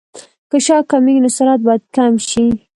که شعاع کمېږي نو سرعت باید کم شي